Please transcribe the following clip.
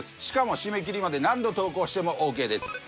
しかも締め切りまで何度投稿してもＯＫです。